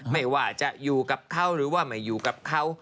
ไม่ว่าจะอยู่กับเขาหรือว่าไม่อยู่กับเขา